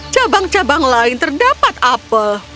cabang cabang lain terdapat apel